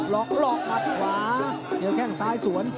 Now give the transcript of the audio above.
อกหลอกหัดขวาเจอแข้งซ้ายสวน